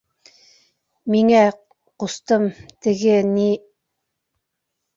- Миңә, ҡустым, теге ни...